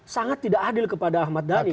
sangat tidak adil kepada ahmad dhani